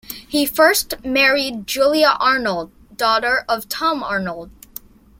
He first married Julia Arnold, daughter of Tom Arnold.